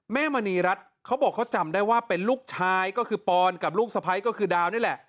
มณีรัฐเขาบอกเขาจำได้ว่าเป็นลูกชายก็คือปอนกับลูกสะพ้ายก็คือดาวนี่แหละ